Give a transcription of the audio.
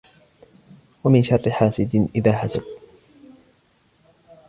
وَمِن شَرِّ حَاسِدٍ إِذَا حَسَدَ